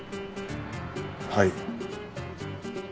はい。